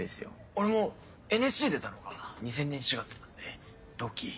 俺もＮＳＣ出たのが２０００年４月なんで同期。